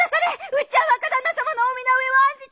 うっちゃあ若旦那様のお身の上を案じて。